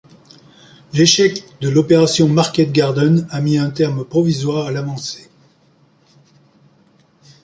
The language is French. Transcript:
L'échec de l'Opération Market Garden a mis un terme provisoire à l'avancée.